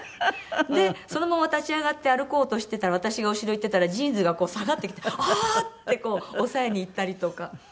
でそのまま立ち上がって歩こうとしてたら私が後ろ行ってたらジーンズがこう下がってきてああー！ってこう押さえにいったりとか。